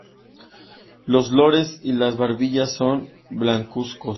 Los lores y la barbilla son blancuzcos.